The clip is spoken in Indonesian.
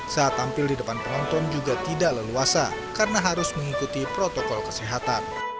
saat tampil di depan penonton juga tidak leluasa karena harus mengikuti protokol kesehatan